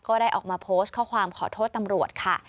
ก็ได้ออกมาโพสต์ข้อความขอโทษตำรวจค่ะ